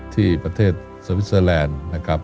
ที่ประเทศเซวิสเซอแลนด์